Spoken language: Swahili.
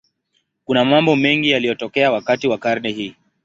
Kuna mambo mengi yaliyotokea wakati wa karne hii.